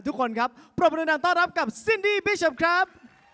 ทุกคนครับปรบรินันต้อนรับกับซินดี้บิชอปครับ